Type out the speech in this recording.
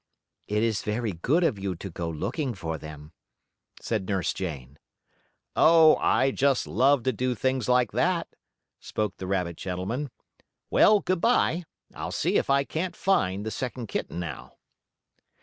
"It is very good of you to go looking for them," said Nurse Jane. "Oh, I just love to do things like that," spoke the rabbit gentleman. "Well, good by. I'll see if I can't find the second kitten now."